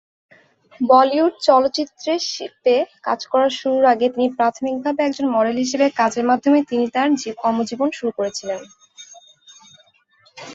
বলিউড চলচ্চিত্রে শিল্পে কাজ শুরু করার আগে তিনি প্রাথমিকভাবে একজন মডেল হিসেবে কাজের মাধ্যমে তিনি তার কর্মজীবন শুরু করেছিলেন।